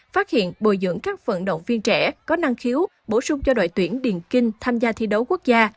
phát hiện bồi dưỡng các vận động viên trẻ có năng khiếu bổ sung cho đội tuyển điền kinh tham gia thi đấu quốc gia